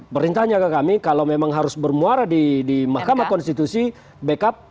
perintahnya ke kami kalau memang harus bermuara di mahkamah konstitusi backup